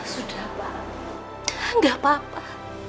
sudah pak enggak apa apa